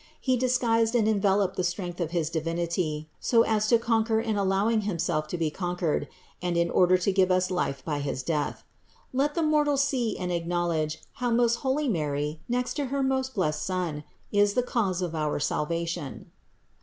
He disguised and enveloped the strength of his Divinity, so as to conquer in allowing Himself to be conquered, and in order to give us life by his death. Let the mortals see and acknowledge, how most holy Mary, next to her most blessed Son, is the cause of their salvation.